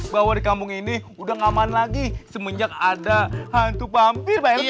bahwa dikampung ini udah ngaman lagi semenjak ada hantu vampir pak rt